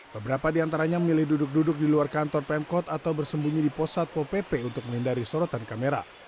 beberapa diantaranya memilih duduk duduk di luar kantor pemkot atau bersembunyi di posat ppp untuk menindari sorotan kamera